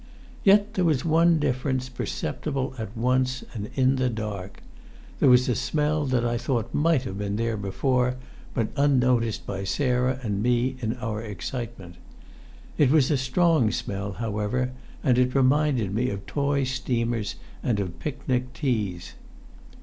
Yet there was one difference, perceptible at once and in the dark. There was a smell that I thought might have been there before, but unnoticed by Sarah and me in our excitement. It was a strong smell, however, and it reminded me of toy steamers and of picnic teas.